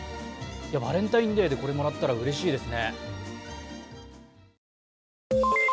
バレンタインデーでこれもらったら、うれしいですね。